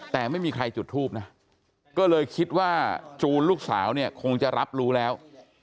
แต่ไม่มีใครจุดทูปนะก็เลยคิดว่าจูนลูกสาวเนี่ยคงจะรับรู้แล้ว